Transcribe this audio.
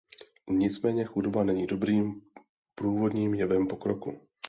Nicméně chudoba není dobrým průvodním jevem pokroku.